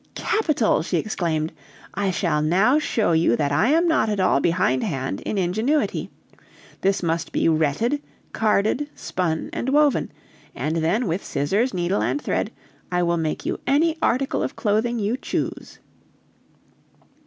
"Capital!" she exclaimed. "I shall now show you that I am not at all behindhand in ingenuity. This must be retted, carded, spun, and woven, and then with scissors, needle, and thread I will make you any article of clothing you choose."